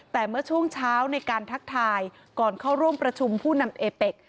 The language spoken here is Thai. แต่เมื่อช่วงเช้าในการทักทายก่อนเข้าร่วมประชุมผู้นำเอเป็ก